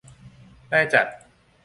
ได้จัด